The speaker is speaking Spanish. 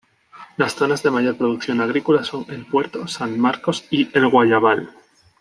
Las zonas de mayor producción agrícola son El Puerto, San Marcos y El Guayabal.